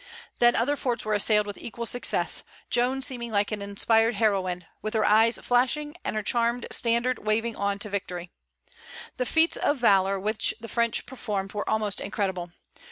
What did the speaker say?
Then other forts were assailed with equal success, Joan seeming like an inspired heroine, with her eyes flashing, and her charmed standard waving on to victory. The feats of valor which the French performed were almost incredible.